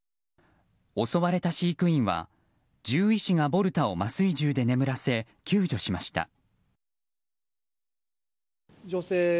襲われた飼育員は獣医師がボルタを麻酔銃で眠らせ救助しました。